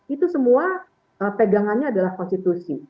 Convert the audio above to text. itu semua pegangannya adalah konstitusi